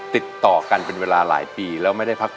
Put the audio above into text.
ติดต่อกันเป็นเวลาหลายปีแล้วไม่ได้พัก